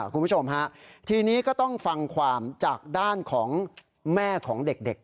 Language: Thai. คุณผู้ชมฮะทีนี้ก็ต้องฟังความจากด้านของแม่ของเด็ก